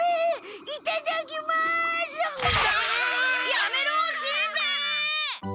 やめろしんべヱ！